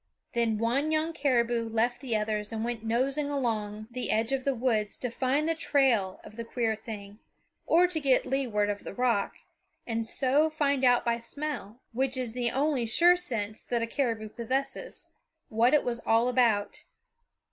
Then one young caribou left the others and went nosing along the edge of the woods to find the trail of the queer thing, or get to leeward of the rock, and so find out by smell which is the only sure sense that a caribou possesses what it was all about.